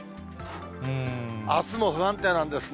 あすも不安定なんですね。